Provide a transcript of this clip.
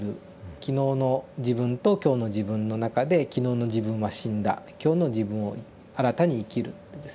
昨日の自分と今日の自分の中で昨日の自分は死んだ今日の自分を新たに生きるっていうですね。